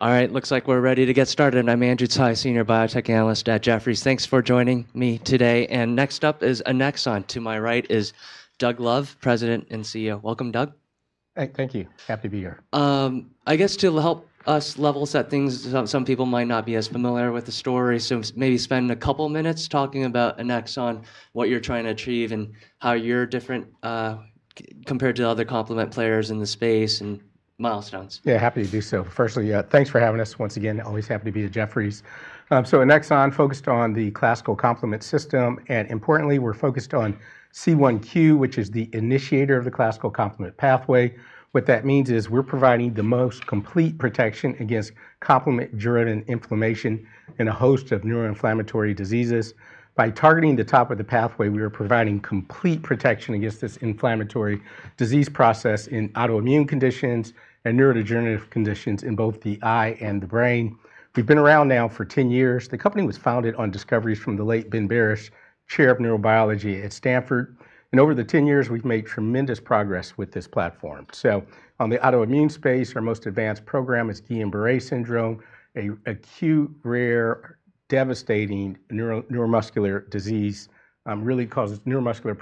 All right, looks like we're ready to get started. I'm Andrew Tsai, Senior Biotech Analyst at Jefferies. Thanks for joining me today, and next up is Annexon. To my right is Doug Love, President and CEO. Welcome, Doug. Thank you. Happy to be here. I guess to help us level set things, some people might not be as familiar with the story. So maybe spend a couple of minutes talking about Annexon, what you're trying to achieve, and how you're different compared to other complement players in the space and milestones. Yeah, happy to do so. Firstly, thanks for having us once again. Always happy to be at Jefferies, so Annexon focused on the classical complement system, and importantly, we're focused on C1q, which is the initiator of the classical complement pathway. What that means is we're providing the most complete protection against complement-derived inflammation and a host of neuroinflammatory diseases. By targeting the top of the pathway, we are providing complete protection against this inflammatory disease process in autoimmune conditions and neurodegenerative conditions in both the eye and the brain. We've been around now for 10 years. The company was founded on discoveries from the late Ben Barres, Chair of Neurobiology at Stanford, and over the 10 years, we've made tremendous progress with this platform, so on the autoimmune space, our most advanced program is Guillain-Barré syndrome, an acute, rare, devastating neuromuscular disease that really causes neuromuscular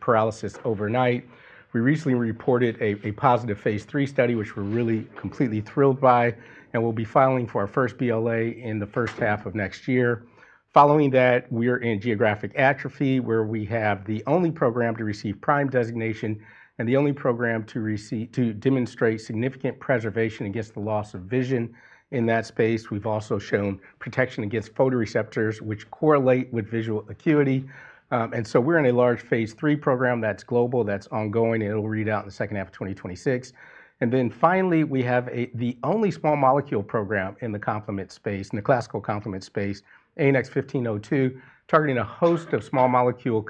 paralysis overnight. We recently reported a positive Phase III study, which we're really completely thrilled by, and we'll be filing for our first BLA in the first half of next year. Following that, we are in Geographic Atrophy, where we have the only program to receive PRIME designation and the only program to demonstrate significant preservation against the loss of vision in that space. We've also shown protection against photoreceptors, which correlate with visual acuity. And so we're in a large Phase III program that's global, that's ongoing, and it'll read out in the second half of 2026. And then finally, we have the only small molecule program in the complement space, in the classical complement space, ANX1502, targeting a host of autoimmune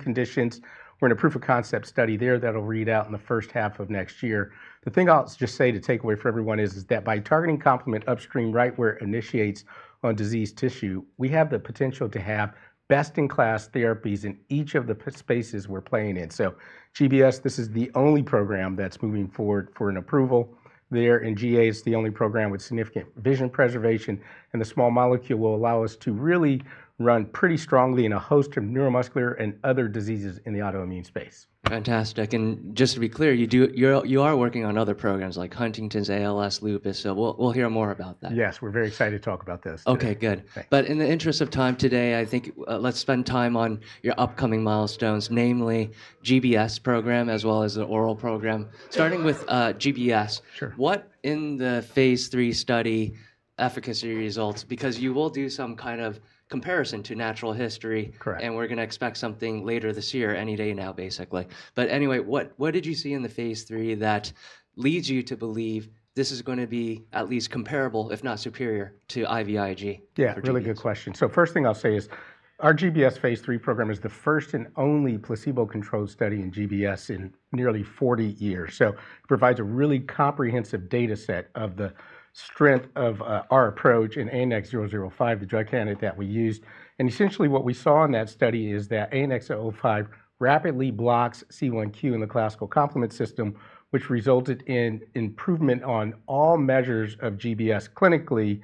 conditions. We're in a proof of concept study there that'll read out in the first half of next year. The thing I'll just say to take away for everyone is that by targeting complement upstream right where it initiates on diseased tissue, we have the potential to have best-in-class therapies in each of the spaces we're playing in. So GBS, this is the only program that's moving forward for an approval there. And GA is the only program with significant vision preservation. And the small molecule will allow us to really run pretty strongly in a host of neuromuscular and other diseases in the autoimmune space. Fantastic. And just to be clear, you are working on other programs like Huntington's ALS, lupus. So we'll hear more about that. Yes, we're very excited to talk about this. Okay, good, but in the interest of time today, I think let's spend time on your upcoming milestones, namely GBS program as well as the oral program. Starting with GBS, what in the Phase III study efficacy results, because you will do some kind of comparison to natural history, and we're going to expect something later this year, any day now, basically, but anyway, what did you see in the Phase III that leads you to believe this is going to be at least comparable, if not superior, to IVIG? Yeah, really good question, so first thing I'll say is our GBS Phase III program is the first and only placebo-controlled study in GBS in nearly 40 years, so it provides a really comprehensive data set of the strength of our approach in ANX005, the drug candidate that we used, and essentially what we saw in that study is that ANX005 rapidly blocks C1q in the classical complement system, which resulted in improvement on all measures of GBS clinically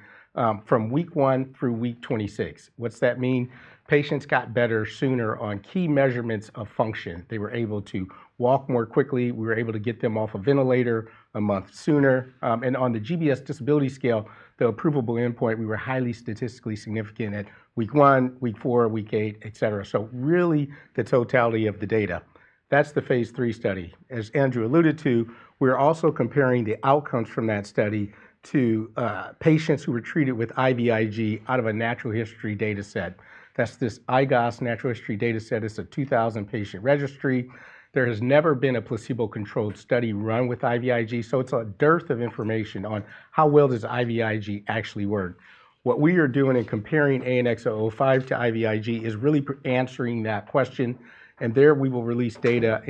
from week one through week 26. What's that mean? Patients got better sooner on key measurements of function. They were able to walk more quickly. We were able to get them off a ventilator a month sooner. And on the GBS Disability Scale, the approvable endpoint, we were highly statistically significant at week one, week four, week eight, et cetera, so really the totality of the data. That's the Phase III study. As Andrew alluded to, we're also comparing the outcomes from that study to patients who were treated with IVIG out of a natural history data set. That's this IGOS natural history data set. It's a 2000 patient registry. There has never been a placebo-controlled study run with IVIG. So it's a dearth of information on how well does IVIG actually work? What we are doing in comparing ANX005 to IVIG is really answering that question. And there we will release data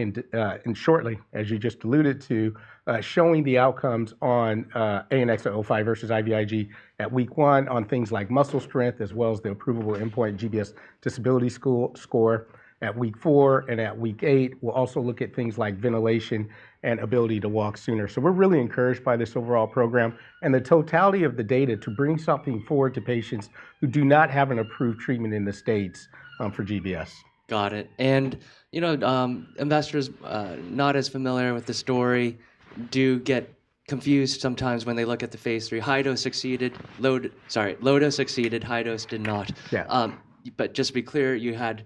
shortly, as you just alluded to, showing the outcomes on ANX005 versus IVIG at week 1 on things like muscle strength, as well as the approvable endpoint GBS disability score at week 4. And at week 8, we'll also look at things like ventilation and ability to walk sooner. We're really encouraged by this overall program and the totality of the data to bring something forward to patients who do not have an approved treatment in the States for GBS. Got it. And you know investors not as familiar with the story do get confused sometimes when they look at the Phase III. High dose succeeded, low dose succeeded, high dose did not. But just to be clear, you had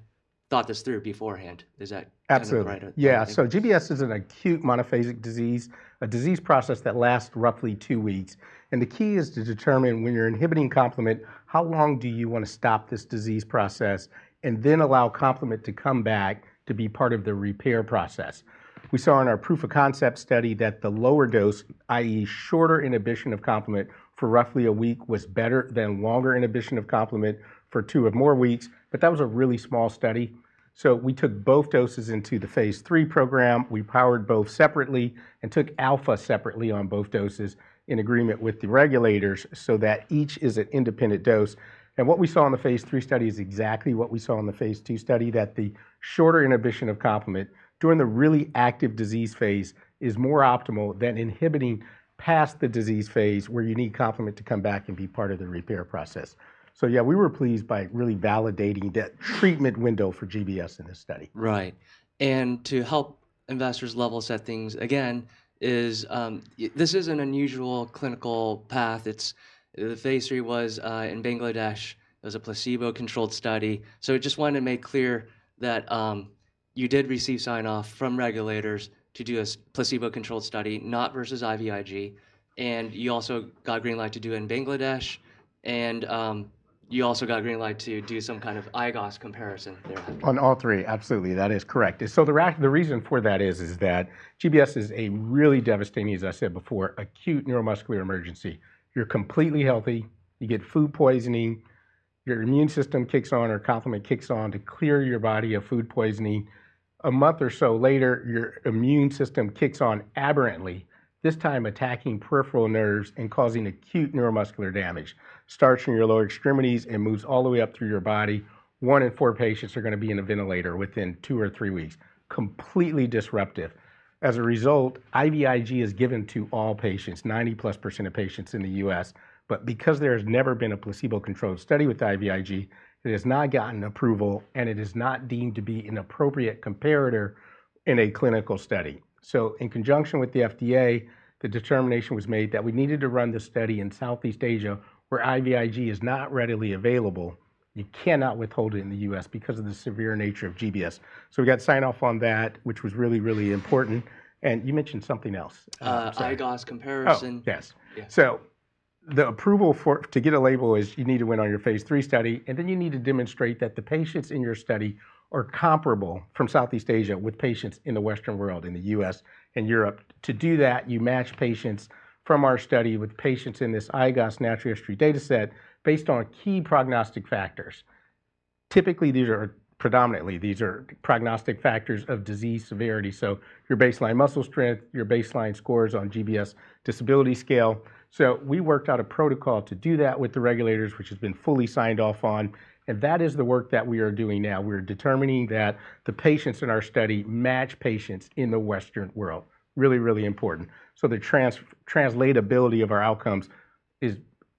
thought this through beforehand. Is that right? Absolutely. Yeah. So GBS is an acute monophasic disease, a disease process that lasts roughly two weeks. And the key is to determine when you're inhibiting complement, how long do you want to stop this disease process and then allow complement to come back to be part of the repair process. We saw in our proof of concept study that the lower dose, i.e., shorter inhibition of complement for roughly a week was better than longer inhibition of complement for two or more weeks. But that was a really small study. So we took both doses into the Phase III program. We powered both separately and took alpha separately on both doses in agreement with the regulators so that each is an independent dose. What we saw in the Phase III study is exactly what we saw in the Phase II study, that the shorter inhibition of complement during the really active disease Phase is more optimal than inhibiting past the disease Phase where you need complement to come back and be part of the repair process. So yeah, we were pleased by really validating that treatment window for GBS in this study. Right. And to help investors level set things again, this is an unusual clinical path. The Phase III was in Bangladesh. It was a placebo-controlled study. So I just wanted to make clear that you did receive sign-off from regulators to do a placebo-controlled study, not versus IVIG. And you also got green light to do it in Bangladesh. And you also got green light to do some kind of IGOS comparison there. On all three, absolutely. That is correct. So the reason for that is that GBS is a really devastating, as I said before, acute neuromuscular emergency. You're completely healthy. You get food poisoning. Your immune system kicks on or complement kicks on to clear your body of food poisoning. A month or so later, your immune system kicks on aberrantly, this time attacking peripheral nerves and causing acute neuromuscular damage. Starts in your lower extremities and moves all the way up through your body. One in four patients are going to be in a ventilator within two or three weeks. Completely disruptive. As a result, IVIG is given to all patients, 90% plus of patients in the U.S. But because there has never been a placebo-controlled study with IVIG, it has not gotten approval and it is not deemed to be an appropriate comparator in a clinical study. So in conjunction with the FDA, the determination was made that we needed to run this study in Southeast Asia where IVIG is not readily available. You cannot withhold it in the U.S. because of the severe nature of GBS. So we got sign-off on that, which was really, really important. And you mentioned something else. IGOS comparison. Yes. So the approval to get a label is you need to win on your Phase III study, and then you need to demonstrate that the patients in your study are comparable from Southeast Asia with patients in the Western world, in the U.S. and Europe. To do that, you match patients from our study with patients in this IGOS natural history data set based on key prognostic factors. Typically, these are predominantly prognostic factors of disease severity. So your baseline muscle strength, your baseline scores on GBS disability scale. So we worked out a protocol to do that with the regulators, which has been fully signed off on, and that is the work that we are doing now. We are determining that the patients in our study match patients in the Western world. Really, really important. So the translatability of our outcomes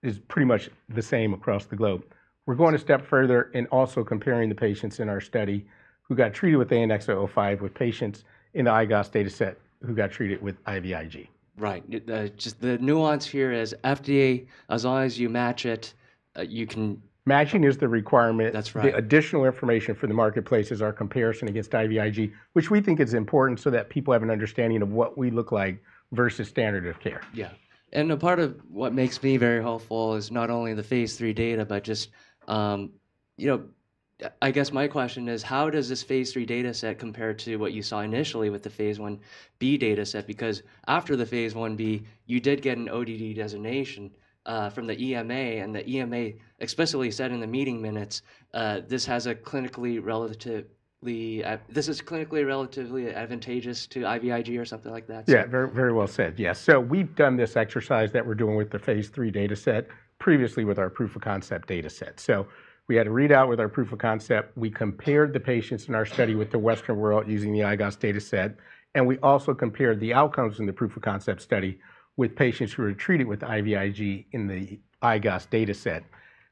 is pretty much the same across the globe. We're going a step further in also comparing the patients in our study who got treated with ANX005 with patients in the IGOS data set who got treated with IVIG. Right. Just the nuance here is FDA, as long as you match it, you can. Matching is the requirement. That's right. The additional information for the marketplace is our comparison against IVIG, which we think is important so that people have an understanding of what we look like versus standard of care. Yeah. A part of what makes me very hopeful is not only the Phase III data, but just, you know, I guess my question is, how does this Phase III data set compare to what you saw initially with the Phase I B data set? Because after the Phase I B, you did get an ODD designation from the EMA. And the EMA explicitly said in the meeting minutes, this is clinically relatively advantageous to IVIG or something like that. Yeah, very well said. Yes, so we've done this exercise that we're doing with the Phase III data set previously with our proof of concept data set, so we had a readout with our proof of concept. We compared the patients in our study with the Western world using the IGOS data set, and we also compared the outcomes in the proof of concept study with patients who were treated with IVIG in the IGOS data set.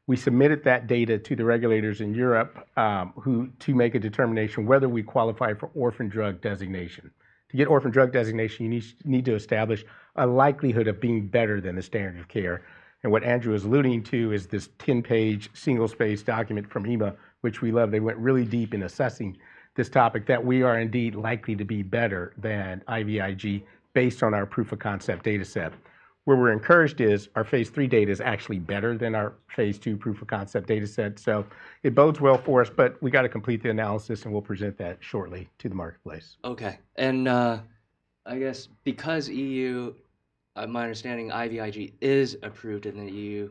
We submitted that data to the regulators in Europe to make a determination whether we qualify for orphan drug designation. To get orphan drug designation, you need to establish a likelihood of being better than the standard of care, and what Andrew was alluding to is this 10-page single space document from EMA, which we love. They went really deep in assessing this topic that we are indeed likely to be better than IVIG based on our proof of concept data set. Where we're encouraged is our Phase III data is actually better than our Phase II proof of concept data set. So it bodes well for us, but we got to complete the analysis and we'll present that shortly to the marketplace. Okay. And I guess because EU, my understanding IVIG is approved in the EU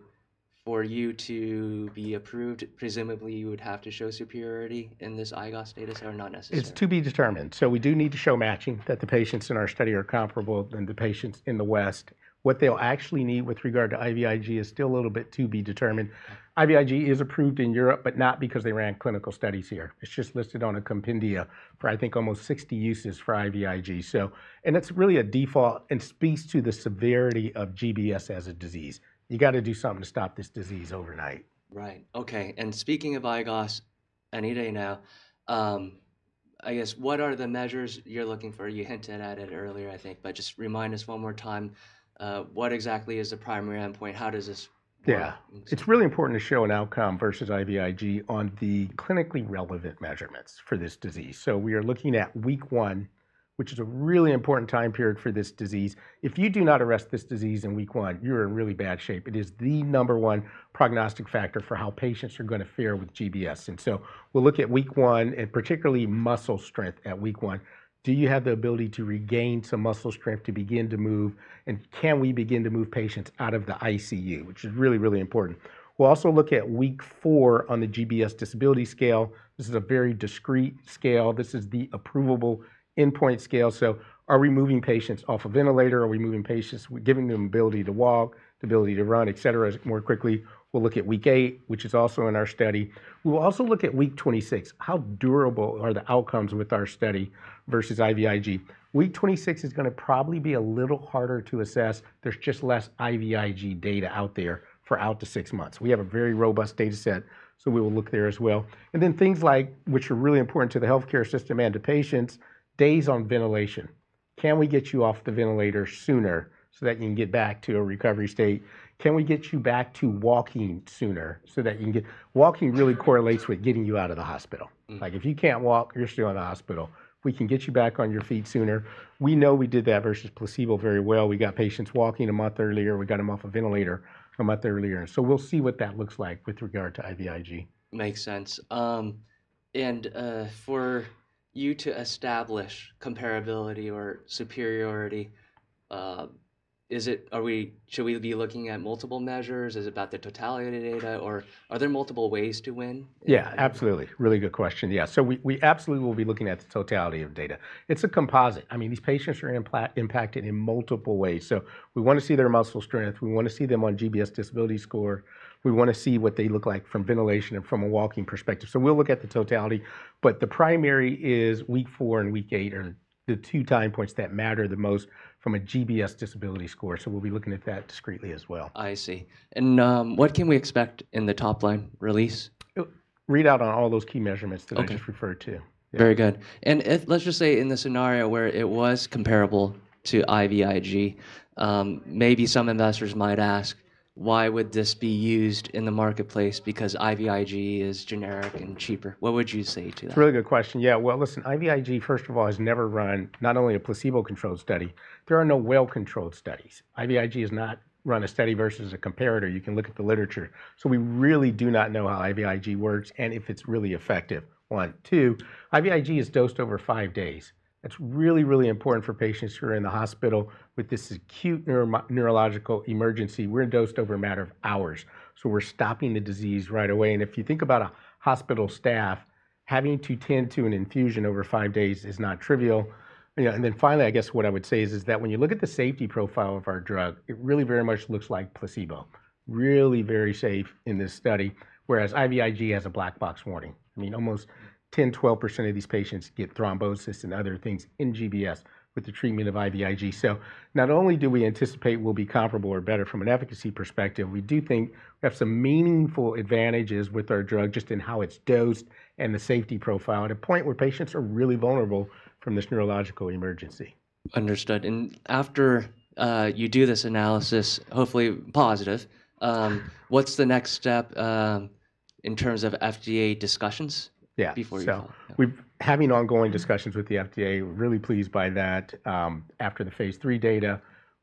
for you to be approved. Presumably you would have to show superiority in this IGOS data set or not necessarily? It's to be determined. We do need to show that the patients in our study are comparable to the patients in the West. What they'll actually need with regard to IVIG is still a little bit to be determined. IVIG is approved in Europe, but not because they ran clinical studies here. It's just listed on a compendia for I think almost 60 uses for IVIG. And it's really a default and speaks to the severity of GBS as a disease. You got to do something to stop this disease overnight. Right. Okay. And speaking of IGOS, any day now, I guess what are the measures you're looking for? You hinted at it earlier, I think, but just remind us one more time. What exactly is the primary endpoint? How does this? Yeah. It's really important to show an outcome versus IVIG on the clinically relevant measurements for this disease. So we are looking at week one, which is a really important time period for this disease. If you do not arrest this disease in week one, you're in really bad shape. It is the number one prognostic factor for how patients are going to fare with GBS. And so we'll look at week one and particularly muscle strength at week one. Do you have the ability to regain some muscle strength to begin to move? And can we begin to move patients out of the ICU, which is really, really important? We'll also look at week four on the GBS disability scale. This is a very discrete scale. This is the approvable endpoint scale. So are we moving patients off a ventilator? Are we moving patients, giving them the ability to walk, the ability to run, et cetera, more quickly? We'll look at week eight, which is also in our study. We will also look at week 26. How durable are the outcomes with our study versus IVIG? Week 26 is going to probably be a little harder to assess. There's just less IVIG data out there for out to six months. We have a very robust data set, so we will look there as well. And then things like, which are really important to the healthcare system and to patients, days on ventilation. Can we get you off the ventilator sooner so that you can get back to a recovery state? Can we get you back to walking sooner so that you can get walking? Really correlates with getting you out of the hospital. Like if you can't walk, you're still in the hospital. We can get you back on your feet sooner. We know we did that versus placebo very well. We got patients walking a month earlier. We got them off a ventilator a month earlier. And so we'll see what that looks like with regard to IVIG. Makes sense. And for you to establish comparability or superiority, should we be looking at multiple measures? Is it about the totality of the data or are there multiple ways to win? Yeah, absolutely. Really good question. Yeah. So we absolutely will be looking at the totality of data. It's a composite. I mean, these patients are impacted in multiple ways. So we want to see their muscle strength. We want to see them on GBS disability scale. We want to see what they look like from ventilation and from a walking perspective. So we'll look at the totality. But the primary is week four and week eight are the two time points that matter the most from a GBS disability scale. So we'll be looking at that discretely as well. I see. And what can we expect in the top line release? Read out on all those key measurements that I just referred to. Very good. And let's just say in the scenario where it was comparable to IVIG, maybe some investors might ask, why would this be used in the marketplace because IVIG is generic and cheaper? What would you say to that? It's a really good question. Yeah. Well, listen, IVIG, first of all, has never run not only a placebo-controlled study. There are no well-controlled studies. IVIG has not run a study versus a comparator. You can look at the literature. So we really do not know how IVIG works and if it's really effective. One, two, IVIG is dosed over five days. That's really, really important for patients who are in the hospital with this acute neurological emergency. We're dosed over a matter of hours. So we're stopping the disease right away. And if you think about a hospital staff, having to tend to an infusion over five days is not trivial. And then finally, I guess what I would say is that when you look at the safety profile of our drug, it really very much looks like placebo. Really very safe in this study, whereas IVIG has a black box warning. I mean, almost 10%-12% of these patients get thrombosis and other things in GBS with the treatment of IVIG. So not only do we anticipate we'll be comparable or better from an efficacy perspective, we do think we have some meaningful advantages with our drug just in how it's dosed and the safety profile at a point where patients are really vulnerable from this neurological emergency. Understood. And after you do this analysis, hopefully positive, what's the next step in terms of FDA discussions before you file? Yeah, so we're having ongoing discussions with the FDA. We're really pleased by that after the Phase III data.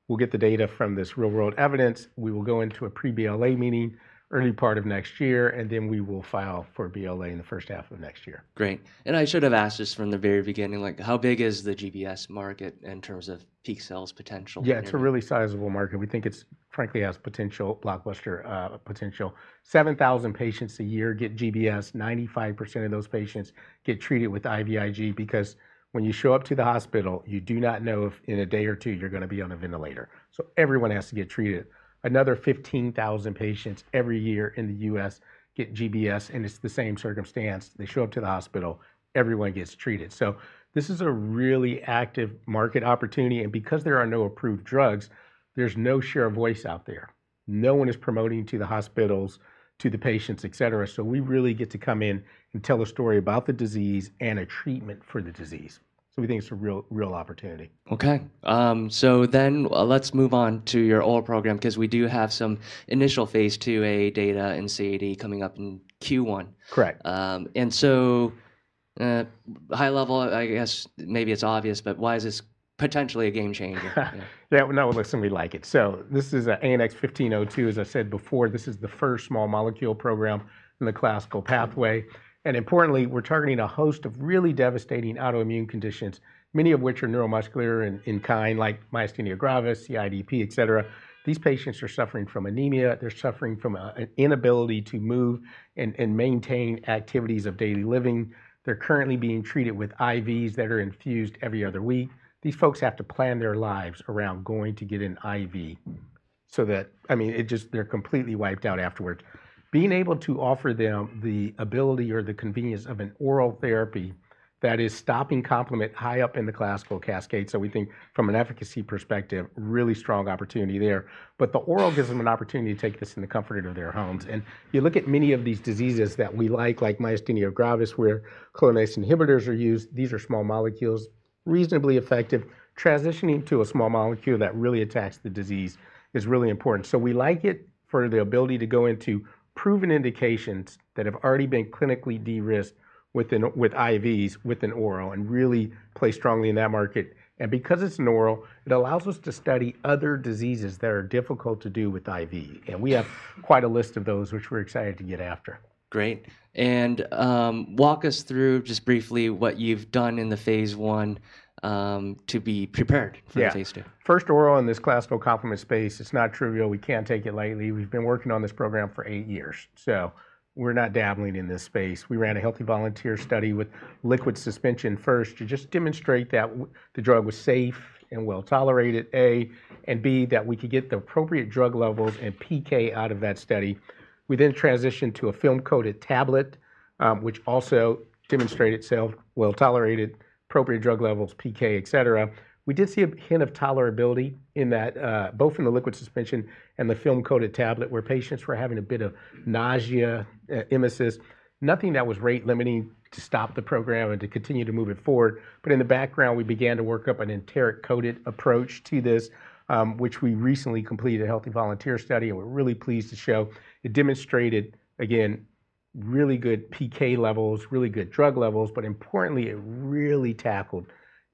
We'll get the data from this real-world evidence. We will go into a pre-BLA meeting early part of next year, and then we will file for BLA in the first half of next year. Great. And I should have asked this from the very beginning, like how big is the GBS market in terms of peak sales potential? Yeah, it's a really sizable market. We think it's frankly has potential blockbuster potential. 7,000 patients a year get GBS. 95% of those patients get treated with IVIG because when you show up to the hospital, you do not know if in a day or two you're going to be on a ventilator. So everyone has to get treated. Another 15,000 patients every year in the U.S. get GBS, and it's the same circumstance. They show up to the hospital, everyone gets treated. So this is a really active market opportunity, and because there are no approved drugs, there's no share of voice out there. No one is promoting to the hospitals, to the patients, et cetera. So we really get to come in and tell a story about the disease and a treatment for the disease. So we think it's a real opportunity. Okay. So then let's move on to your old program because we do have some initial Phase IIa data and CAD coming up in Q1. Correct. High level, I guess maybe it's obvious, but why is this potentially a game changer? Yeah. No, listen, we like it. So this is an ANX1502. As I said before, this is the first small molecule program in the classical pathway. And importantly, we're targeting a host of really devastating autoimmune conditions, many of which are neuromuscular in kind, like Myasthenia Gravis, CIDP, et cetera. These patients are suffering from anemia. They're suffering from an inability to move and maintain activities of daily living. They're currently being treated with IVs that are infused every other week. These folks have to plan their lives around going to get an IV so that, I mean, it just, they're completely wiped out afterwards. Being able to offer them the ability or the convenience of an oral therapy that is stopping complement high up in the classical cascade. So we think from an efficacy perspective, really strong opportunity there. But the oral gives them an opportunity to take this in the comfort of their homes, and you look at many of these diseases that we like, like Myasthenia Gravis, where C1s inhibitors are used. These are small molecules, reasonably effective. Transitioning to a small molecule that really attacks the disease is really important, so we like it for the ability to go into proven indications that have already been clinically de-risked with IVs with an oral and really play strongly in that market, and because it's an oral, it allows us to study other diseases that are difficult to do with IV, and we have quite a list of those, which we're excited to get after. Great. And walk us through just briefly what you've done in the Phase I to be prepared for Phase II? Yeah. First oral in this classical complement space. It's not trivial. We can't take it lightly. We've been working on this program for eight years. So we're not dabbling in this space. We ran a healthy volunteer study with liquid suspension first to just demonstrate that the drug was safe and well tolerated, A, and B, that we could get the appropriate drug levels and PK out of that study. We then transitioned to a film-coated tablet, which also demonstrated itself well tolerated, appropriate drug levels, PK, et cetera. We did see a hint of tolerability in that, both in the liquid suspension and the film-coated tablet, where patients were having a bit of nausea, emesis. Nothing that was rate limiting to stop the program and to continue to move it forward. But in the background, we began to work up an enteric-coated approach to this, which we recently completed a healthy volunteer study. And we're really pleased to show it demonstrated, again, really good PK levels, really good drug levels, but importantly, it really tackled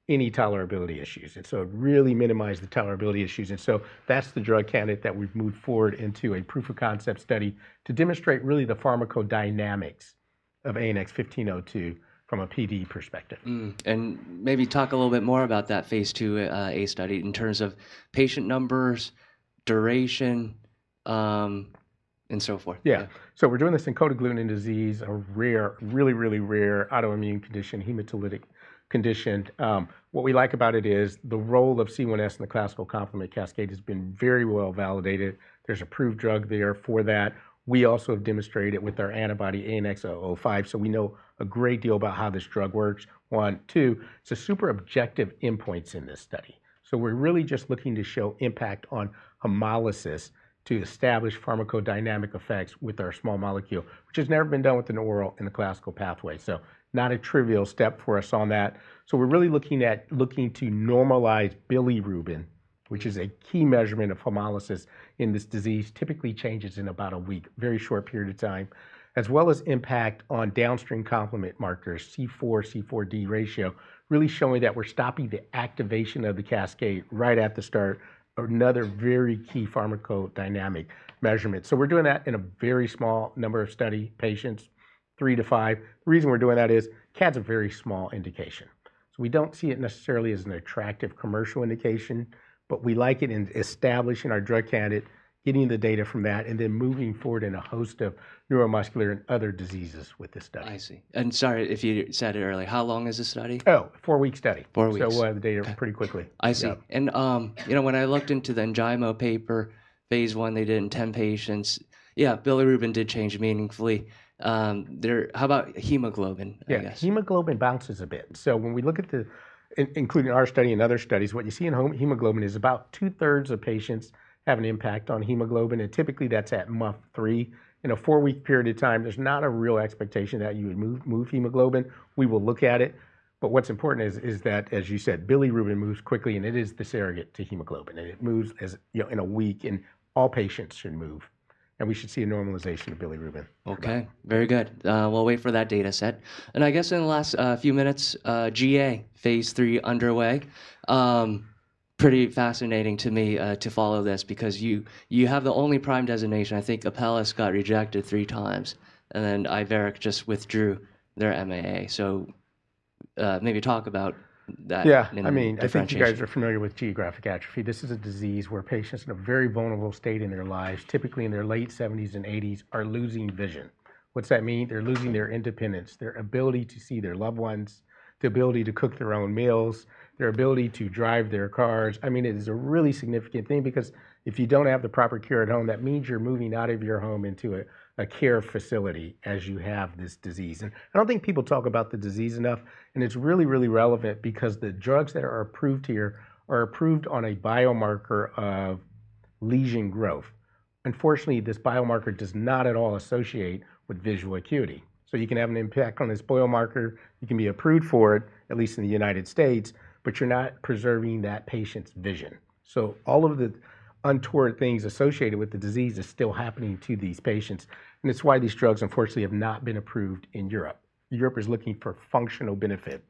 any tolerability issues. And so it really minimized the tolerability issues. And so that's the drug candidate that we've moved forward into a proof of concept study to demonstrate really the pharmacodynamics of ANX1502 from a PD perspective. Maybe talk a little bit more about that Phase IIa study in terms of patient numbers, duration, and so forth. Yeah. So we're doing this in Cold Agglutinin Disease, a rare, really, really rare autoimmune condition, hemolytic condition. What we like about it is the role of C1s in the classical complement cascade has been very well validated. There's approved drug there for that. We also have demonstrated it with our antibody ANX005. So we know a great deal about how this drug works. One, two, it's a super objective endpoints in this study. So we're really just looking to show impact on hemolysis to establish pharmacodynamic effects with our small molecule, which has never been done with an oral in the classical pathway. So not a trivial step for us on that. We're really looking to normalize bilirubin, which is a key measurement of hemolysis in this disease, typically changes in about a week, very short period of time, as well as impact on downstream complement markers, C4, C4d ratio, really showing that we're stopping the activation of the cascade right at the start, another very key pharmacodynamic measurement. We're doing that in a very small number of study patients, three to five. The reason we're doing that is CAD is a very small indication. We don't see it necessarily as an attractive commercial indication, but we like it in establishing our drug candidate, getting the data from that, and then moving forward in a host of neuromuscular and other diseases with this study. I see. And sorry if you said it early, how long is this study? Oh, four-week study. Four weeks. We'll have the data pretty quickly. I see. And you know when I looked into the Enjaymo paper, Phase I, they did in 10 patients. Yeah, bilirubin did change meaningfully. How about hemoglobin, I guess? Yeah, hemoglobin bounces a bit. So when we look at the, including our study and other studies, what you see in hemoglobin is about two-thirds of patients have an impact on hemoglobin. And typically that's at month three. In a four-week period of time, there's not a real expectation that you would move hemoglobin. We will look at it. But what's important is that, as you said, bilirubin moves quickly and it is the surrogate to hemoglobin. And it moves in a week and all patients should move. And we should see a normalization of bilirubin. Okay. Very good. We'll wait for that data set, and I guess in the last few minutes, GA, Phase III underway. Pretty fascinating to me to follow this because you have the only prime designation. I think Apellis got rejected three times, and then Iveric just withdrew their MAA, so maybe talk about that. Yeah. I mean, I think you guys are familiar with Geographic Atrophy. This is a disease where patients in a very vulnerable state in their lives, typically in their late 70s and 80s, are losing vision. What's that mean? They're losing their independence, their ability to see their loved ones, the ability to cook their own meals, their ability to drive their cars. I mean, it is a really significant thing because if you don't have the proper cure at home, that means you're moving out of your home into a care facility as you have this disease. I don't think people talk about the disease enough. It's really, really relevant because the drugs that are approved here are approved on a biomarker of lesion growth. Unfortunately, this biomarker does not at all associate with visual acuity. So you can have an impact on this biomarker. You can be approved for it, at least in the United States, but you're not preserving that patient's vision. So all of the untoward things associated with the disease are still happening to these patients, and it's why these drugs, unfortunately, have not been approved in Europe. Europe is looking for functional benefit.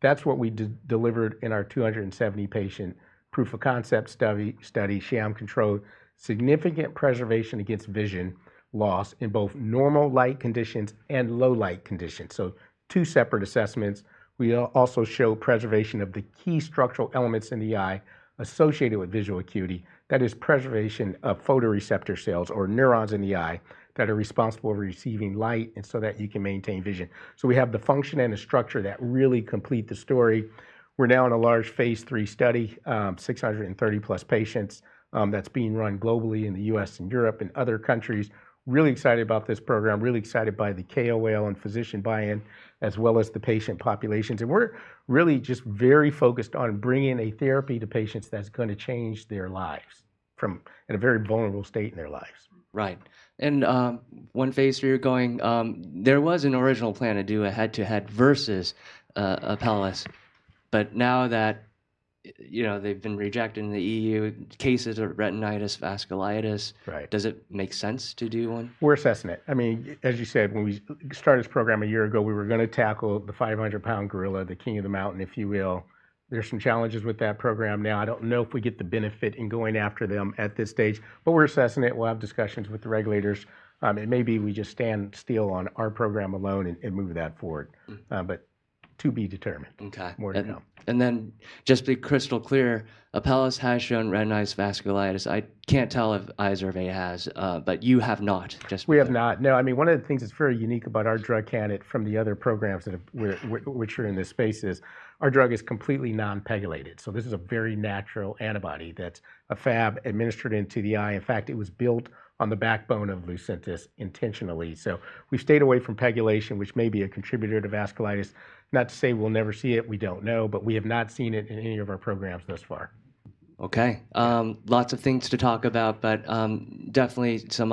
That's what we delivered in our 270-patient proof of concept study, sham control, significant preservation against vision loss in both normal light conditions and low light conditions. So two separate assessments. We also show preservation of the key structural elements in the eye associated with visual acuity. That is preservation of photoreceptor cells or neurons in the eye that are responsible for receiving light and so that you can maintain vision. So we have the function and the structure that really complete the story. We're now in a large Phase III study, 630 plus patients that's being run globally in the U.S. and Europe and other countries. Really excited about this program, really excited by the KOL and physician buy-in as well as the patient populations. We're really just very focused on bringing a therapy to patients that's going to change their lives from a very vulnerable state in their lives. Right. And one Phase III you're going, there was an original plan to do a head-to-head versus Apellis, but now that they've been rejected in the EU, cases of retinitis, vasculitis, does it make sense to do one? We're assessing it. I mean, as you said, when we started this program a year ago, we were going to tackle the 500-pound gorilla, the king of the mountain, if you will. There's some challenges with that program now. I don't know if we get the benefit in going after them at this stage, but we're assessing it. We'll have discussions with the regulators. And maybe we just stand still on our program alone and move that forward, but to be determined. Okay, and then just to be crystal clear, Apellis has shown retinitis, vasculitis. I can't tell if Izervay has, but you have not, just to be clear. We have not. No, I mean, one of the things that's very unique about our drug candidate from the other programs which are in this space is our drug is completely non-pegylated. So this is a very natural antibody that's a Fab administered into the eye. In fact, it was built on the backbone of Lucentis intentionally. So we've stayed away from pegylation, which may be a contributor to vasculitis. Not to say we'll never see it, we don't know, but we have not seen it in any of our programs thus far. Okay. Lots of things to talk about, but definitely some.